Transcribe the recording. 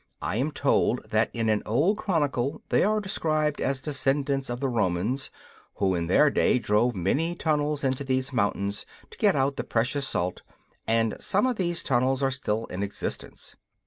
I am told that in an old chronicle they are described as descendants of the Romans, who in their day drove many tunnels into these mountains to get out the precious salt; and some of these tunnels are still in existence.